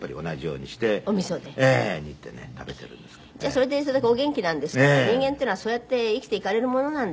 それでそれだけお元気なんですから人間っていうのはそうやって生きていかれるものなんですね。